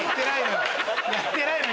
やってないの！